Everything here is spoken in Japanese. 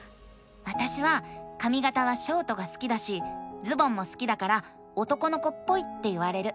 わたしはかみがたはショートが好きだしズボンも好きだから男の子っぽいって言われる。